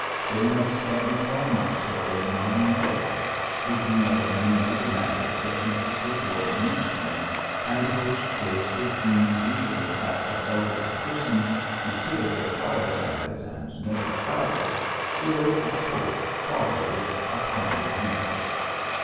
They must let me tell my story in my own way, speaking of many little matters that interested or amused me, and which a certain leisurely class of elderly persons, who sit at their firesides and never travel, will, I hope, follow with a kind of interest.